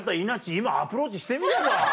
今アプローチしてみれば？